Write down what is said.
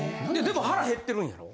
でも腹減ってるんやろ？